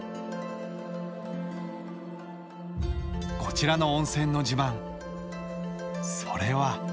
こちらの温泉の自慢それは。